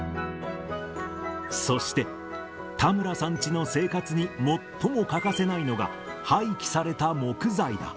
そして、田村さんチの生活に最も欠かせないのが、廃棄された木材だ。